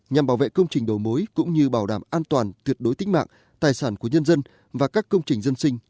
nhằm bảo vệ công trình đồ mối cũng như bảo đảm an toàn tuyệt đối tính mạng tài sản của nhân dân và các công trình dân sinh